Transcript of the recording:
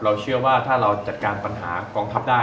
เชื่อว่าถ้าเราจัดการปัญหากองทัพได้